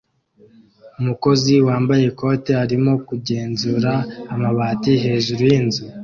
Umukozi wambaye ikoti arimo kugenzura amabati hejuru yinzu